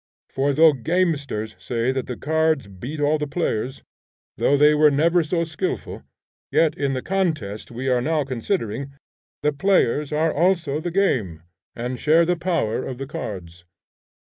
For though gamesters say that the cards beat all the players, though they were never so skilful, yet in the contest we are now considering, the players are also the game, and share the power of the cards.